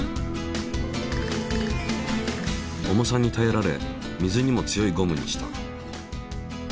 重さにたえられ水にも強いゴムにした。